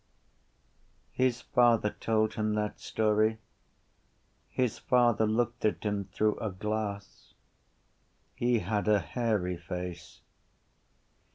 His father told him that story: his father looked at him through a glass: he had a hairy face.